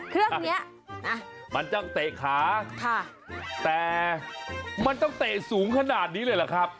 เครื่องนี้มันต้องเตะขาแต่มันต้องเตะสูงขนาดนี้เลยเหรอครับ